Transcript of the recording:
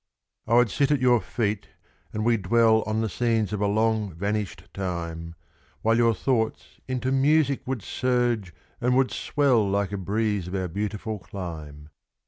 I would sit at your feet, and we'd dwell On the scenes of a long vanished time, While your thoughts into music would surge and would swell Like a breeze of our beautiful clime.